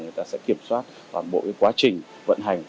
người ta sẽ kiểm soát toàn bộ quá trình vận hành